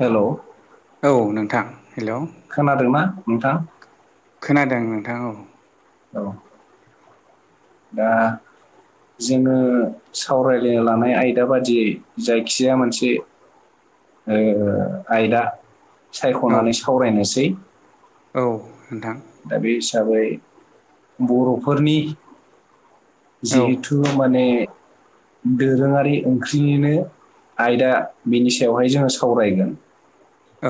Hello. औ नोंथां। Hello खोनादोंना नोंथां? खोनादों नोंथां औ। औ दा जोङो सावराय लायनो लानाय आयदा बादियै जायखिया मोनसे ओ आयदा सायख'नानै सावरायनोसै। औ नोंथां। दा बे हिसाबै बर'फोरनि औ जिहेथु माने दोरोङारि ओंख्रिनिनो आयदा बिनि सायावहाय जोङो सावरायगोन।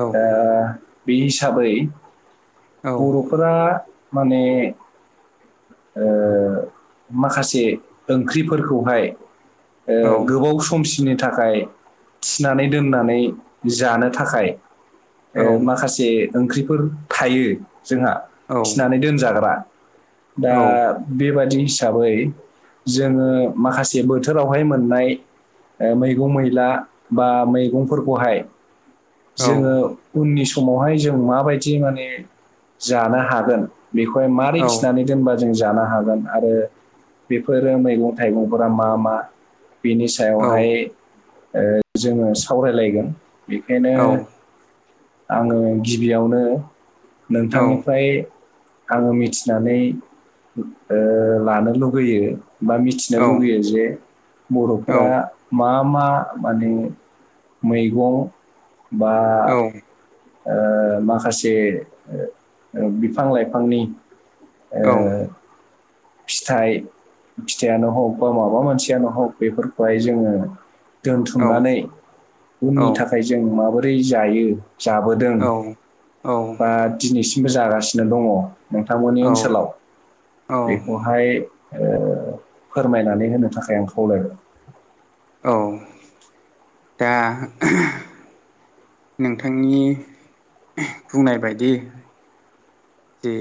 औ ओ बे हिसाबै औ बर'फोरा माने ओ माखासे ओंख्रिफोरखौहाय ओ औ गोबाव समसिम‌ उननि थाखाय थिनानै दोननानै जानो थाखाय औ ओ माखासे ओंख्रिफोर थायो। जोंहा औ थिनानै दोनजाग्रा दा औ बेबादि हिसाबै जोङो माखासे बोथोरावहाय मोननाय ओ मैगं' मैला बा मैगं'फोरखौहाय औ जोङो उननि समावहाय जों माबायदि माने जानो हागोन बेखौहाय मारै थिनानै दोनबा जों जानो हागोन आरो बेफोरो मैगं' थाइगं'फोरा मा मा बेनि सायावहाय ओ जोङो सावरायलायगोन बेखायनो आंङो गिबियावनो नोंथांनिफ्राय आंङो मिथिनानै ओ लानो लुबैयो बा मिथिनो लुबैयो औ जे बर'फोरा मा मा माने मैगं बा औ ओ माखासे बिफां लाइफांनि ओ, औ । फिथाइ फिथायानो हग बा माबा मानसियानो हग बेफोरखौहाय जोङो दोनथुमनानै उननि थाखाय जों माबोरै जायो जाबोदों बा दिनैसिमबो जागासिनो दंङ' नोंथांमोननि ओनसोलाव बेखौ ओ फोरमायनानै होनो थाखाय आं खावलायबाय । औ दा [unintelligible] नोंथांनि [unintelligible] बुंनाय बायदि दे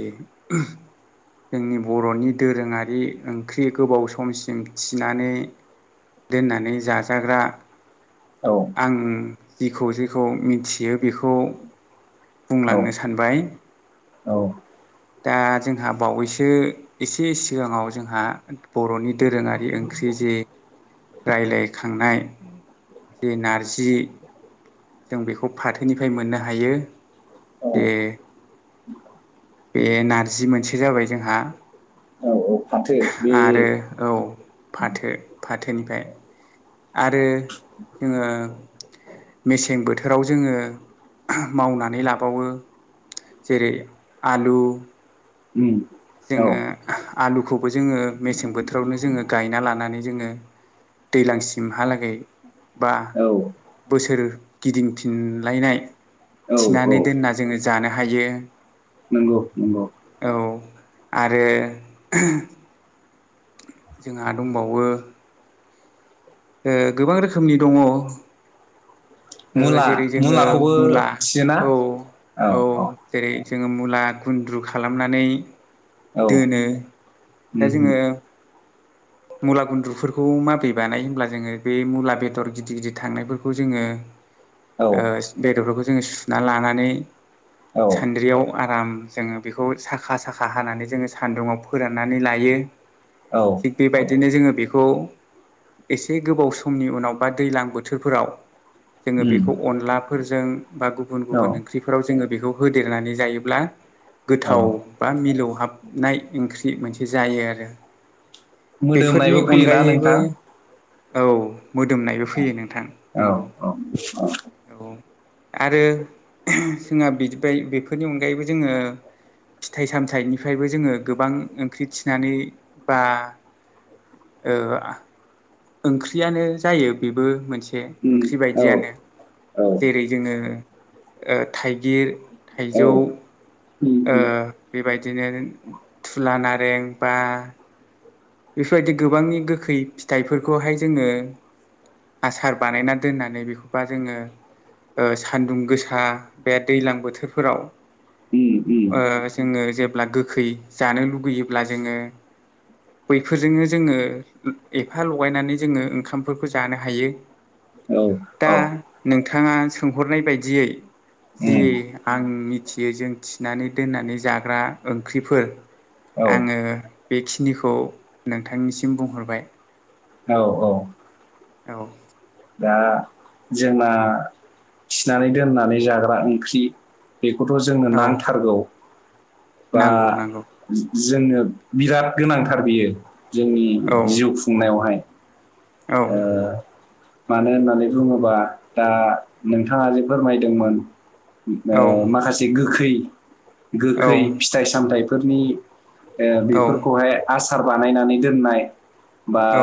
[unintelligible] जोंनि बर'नि दोरोङारि ओंख्रि गोबाव समसिम थिनानै दोननानै जाजाग्रा औ आं जेखौ जेखौ मिथियो बेखौ औ बुंलांनो सानबाय । औ दा जोंहा बावैसो एसे सिगांङाव जोंहा बर'नि दोरोङारि ओं ओंख्रि जे रायज्लायखांनाय जे नारजि जों बेखौ फाथोनिफ्राय मोननो हायो औ जे बे नारजि मोनसे जाबाय जोंहा औ औ फाथो बे आरो औ फाथो फाथोनिफ्राय आरो जोङो मेसें बोथोराव जोङो मावनानै लाबावो जेरै आलु उम औ जोङो आलुखौबो जोङो मेसें बोथोरावनो जोङो गायना लानानै जोङो दैज्लांसिमहालागै बा औ बोसोर गिदिंफिनलायनाय औ औ थिनानै दोनना जोङो जानो हायो नंगौ नंगौ। औ आरो जोंहा दंबावो गोबां रोखोमनि दंङ मुला जेरै जोङो मुलाखौबो मुला थियोना औ औ जेरै जोङो मुला गुन्द्रु खालामनानै औ दोनो दा उम जोङो मुला गुन्द्रुफोरखौ माब्रै बानाय होनब्ला जोङो बे मुला बेदर गिदिर गिदिर थांनायफोरखौ जोङो औ बेदरफोरखौ जोङो सुना लानानै औ सान्द्रियाव आराम जोङो बेखौ साखा साखा हानानै जोङो सान्दुंङाव फोराननानै लायो। औ थिग औ बेबायदिनो जोङो बेखौ एसे गोबाव समनि उनाव बा दैजलां बोथोरफोराव जोङो उम बेखौ अनलाफोरजों बा गुबुन औ गुबुन ओंख्रिफोराव जोङो बेखौ होदेरनानै जायोब्ला औ गोथाव बा मिलौहाबनाय ओंख्रि मोनसे जायो आरो। बेफोरनि मोदोमनायबो फैयोना अनगायैबो नोंथां औ मोदोमनायबो औ फैयो नोंथां नंगौ। [inaudible] औ आरो जोंहा बिदिफाय बेफोरनि अनगायैबो जोङो फिथाइ सामथायाइनिफ्रायबो जोङो गोबां ओंख्रि थिनानै बा ओ ओंख्रियानो जायो बेबो मोनसे उम ओंख्रि बायदियानो औ जेरै जोङो थाइगिर औ थाइजौ औ उम ओज्ञबेबायदिनो थुला नारें बा बेफोरबायदि गोबांनि गोखै फिथाइफोरखौहाय जोङो आसार बानायना दोननानै बेखौबा जोङो ओ सान्दुं गोसा बे दैज्लां बोथोरफोराव उम ओ जोङो जेब्ला गोखै जानो लुगैयोब्ला जोङो बैफोरजोंनो जोङो एफा लगायनानै जोङो ओंखामफोरखौ जानो हायो। औ दा औ नोंथाङा सोंहरनाय बायदियै जि उम आं मिथियो जों थिनानै दोननानै जाग्रा ओंख्रिफोर औ आङो बेखिनिखौ नोंथांनिसिम बुंहरबाय औ औ औ। दा जोंना थिनानै दोननानै जाग्रा ओंख्रि बेखौथ' जोंनो औ नांथारगौ बा नांगौ नांगौ जोंनो बिराद गोनांथार बियो जोंनि औ जिउ खुंनायावहाय औ। ओ मानो होननानै बुङोबा दा नोंथाङा जे फोरमायदोंमोन। ओ औ माखासे गोखै गोखै फिथाइ सामथाइफोरनि ओ औ बेफोरखौहाय आसार बानायनानै दोननाय बा औ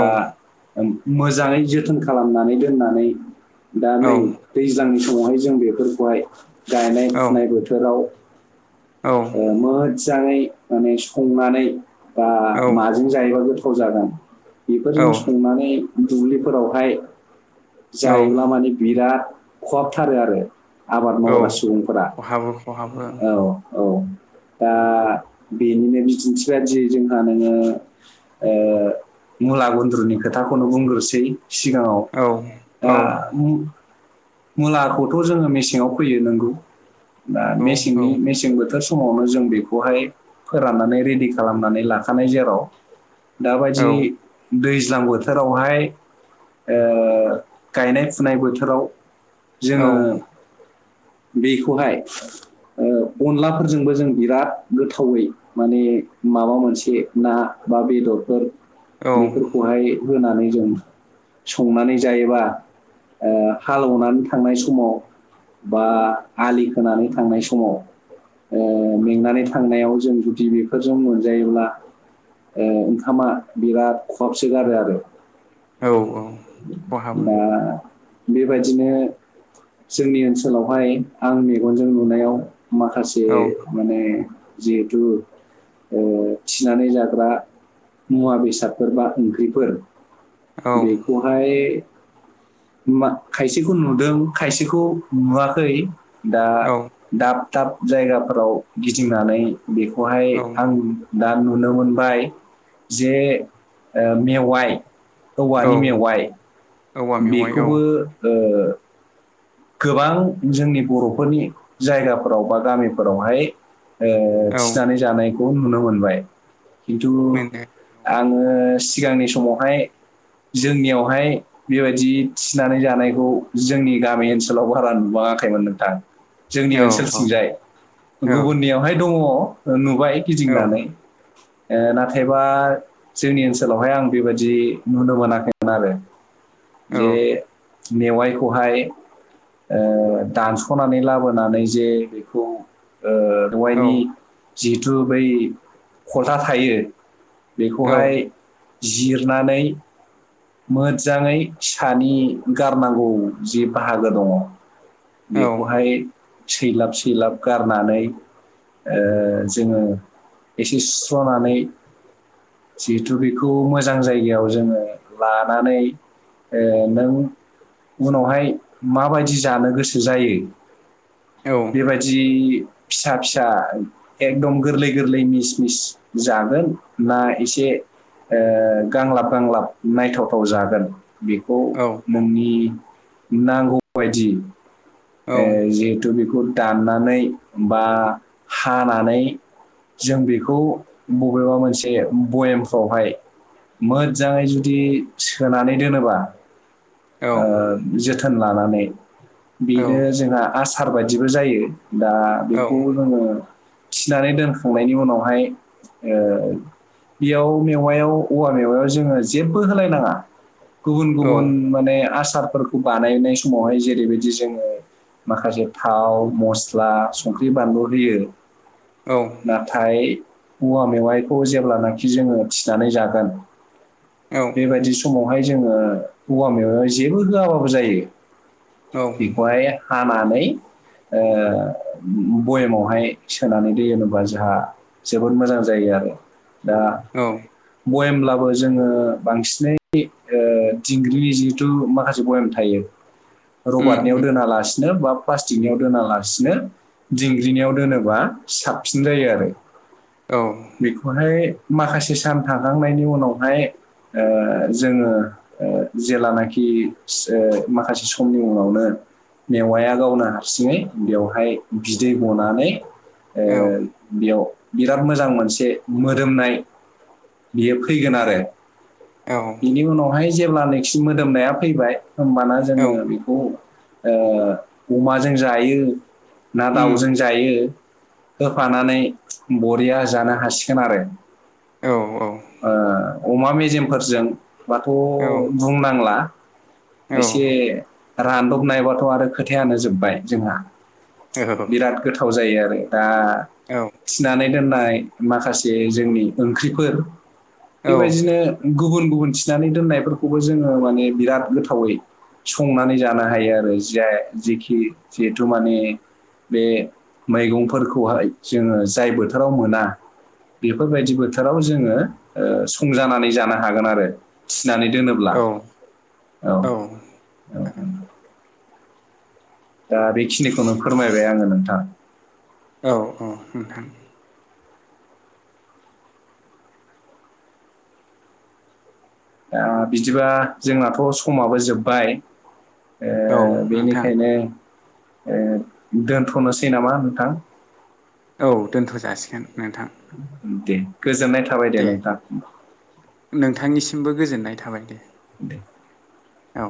मोजाङै जोथोन खालामनानै दोननानै दा नै औ दैज्लांनि समावहाय जों बेफोरखौहाय गायनाय औ फुनाय बोथोराव औ ओ मोज्जाङै माने संनानै बा औ माजों जायोबो गोथाव जागोन बेफोरजों औ संनानै दुब्लिफोरावहाय औ जायोब्ला माने बिराद खहाबथारो आरो आबाद औ मावग्रा सुबुंफोरा खहाबो खहाबो औ औ दा बेनिनो बिदिन्थि बादि जोंहा नोङो ओ मुला गुन्द्रुनि खोथाखौनो बुंग्रोसै सिगाङाव औ औ दा मु मुलाखौथ' जोङो मेसेङाव फैयो नोंगौ। बा नंगौ औ मेसेंनि मेसें बोथोर समावनो जों बेखौहाय फोराननानै रेडि खालामनानै लाखानाय जेराव औ दाबायदि दैज्लां बोथोरावहाय ओ गायनाय फुनाय बोथोराव औ जोङो [inaudible] बेखौहाय अनलाफोरजोंबो जों बिराद गोथावै माने माबा मोनसे ना बा बिदरफोर औ बेफोरखौहाय होनानै जों संनानै जायोबा ओ हाल अनानै थांनाय समाव बा आलि होनानै थांनाय समाव ओ मेंनानै थांनायाव जों जुदि बेफोरजों मोनजायोब्ला ओ ओंखामा बिराद खहाबसो गारो आरो औ औ खहाबो दा बेबायदिनो जोंनि ओनसोलावहाय आं मेगनजों नुनायाव माखासे औ माने जिहेथु ओ थिनानै जाग्रा मुवा बेसादफोर बा ओंख्रिफोर औ बेखौहाय मा खायसेखौ नुदों खायसेखौ नुवाखै दा औ दाब दाब जायगाफोराव गिदिंनानै बेखौहाय आं दा नुनो मोनबाय जे ओ मेवाय औ औवानि मेवाइ औवा मेवाइ औ बेखौबो ओ गोबां जोंनि बर'फोरनि जायगाफोराव बा गामिफोरावहाय ओ औ थिनानै जानायखौ नुनो मोनबाय खिन्थु मोनो आङो सिगांनि समावहाय जोंनियावहाय बे बायदि थिनानै जानायखौ जोंनि गामि ओनसो लावबो बारा नुबाङाखैमोन नोंथां जोंनि औ ओनसोलथिंजाय औ गुबुननियावहाय दङ नु हाय औ गिदिंनानै ओ नाथायबा जोंनि ओनसोलावहाय आं बेबायदि नुनो मोनाखैमोन आरो औ जे मेवाइखौहाय ओ दानस'नानै लाबोनानै जे बेखौ ओ औ दहाइनि जिहेथु बै खलथा थायो बेखौहाय जिरनानै मोज्जाङै सानि गारनांगौ जे बाहागो दङ औ बेखौहाय सैलाब सैलाब गारनानै ओ जोङो इसे सुस्र'नानै जिहेथु बेखौ मोजां जायगायाव जोङो लानानै ओ नों उनावहाय मा बायदि जानो गोसो जायो बे बायदि फिसा फिसा एकदम गोरलै गोरलै मिस मिस जागोन ना एसे ओ गांलाब गांलाब नायथावथाव जागोन बेखौ नोंनि नांगौ बायदि ओ जिहेथु बेखौ दाननानै बा हानानै जों बेखौ बबेबा मोनसे बयेमफ्रावहाय मोजांङै जु दि सोनानै दोनोबा ओ जोथोन लानानै बेनो जोंहा आसार बायदिबो जायो दा बेखौ जोङो थिनानै दोनखांनायनि उनावहाय ओ बेयाव मेवायाव औवा मेवायाव जोङो जेबो होलायनाङा गुबुन गुबुन माने आस सारफोरखौ बानायनाय समावहाय जेरै बायदि जोङो माखासे थाव मस्ला संख्रि बानलु होयो। नाथाय औवा मेवाइखौ जेब्लानाखि जोङो थिनानै जागोन। बे बायदि समावहाय जोङो औवा मेवायावहाय जेबो होआबाबो जायो। औ बेखौहाय हानानै ओ बयेमावहाय सोनानै दोनोबा जाहा जोबोद मोजां जायो। ओ दा औ औ बयेमब्लाबो जोङो बांसिनै ओ दिंग्रिनि जिहेथु माखासे बयेम थायो उम रबारटनियाव उम दोनालासि नो बा प्लास्टिकनियाव दोनालासिनो दिंग्रिनियाव दोनोबा साबसिन जायो आरो औ बेखौहाय माखासे सान थांखांनायनि उनावहाय ओ जोङो ओ जेलानाखि ओ माखासे समनि उनावनो मेवाया गावनो हारसिङै बेवहाय बिदै गनानै ओ औ बियाव बिराद मोजां मोनसे मोदोमनाय बियो फैगोन आरो। औ बिनि उनावहाय जेब्लानोखि मोदोमनाया फैबाय होनबाना औ जोङो बेखौ ओ अमाजों जायो। ना उम दाउजों जायो होफानानै बरिया जानो हासिगोन आरो। औ औ ओ अमा मेजेमफोरजोंबाथ' औ बुंनांला। औ एसे रानदबनायबाथ' आरो खोथायानो जोब्बाय जोंहा। बिराद गोथाव जायो आरो दा थिनानै दोननाय माखासे जोंनि ओंख्रिफोर बेबायदिनो गुबुन गुबुन थिनानै दोननायफोरखौबो जोङो माने बिराद गोथावै संनानै जानो हायो आरो ज जेखि जिहेथु माने बे मैगंफोरखौहाय जोङो जाय बोथोराव मोना बेफोरबायदि बोथोराव जोङो ओ संजानानै जानो हागोन आरो। थिनानै दोनोब्ला औ हागोन औ दा बेखिनिखौ नों फोरमायबाय आङो नोंथां औ औ नोंथां। दा बिदिबा जोंनाथ' समाबो जोब्बाय। औ ओ नोंथां बेनिखायनो ओ दोनथ'नोसै नामा नोंथां? औ दोनथ' जासिगोन नोंथां। दे गोजोननाय थाबाय दे नोंथां नोंथांनिसिमबो गोजोननाय थाबाय दे। दे। औ